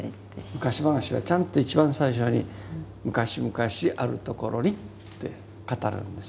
昔話はちゃんと一番最初に「むかしむかしあるところに」って語るんです。